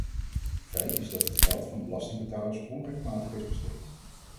Feit is dat het geld van belastingbetalers onrechtmatig is besteed.